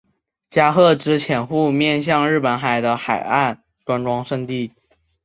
加贺之潜户面向日本海的海岸观光胜地。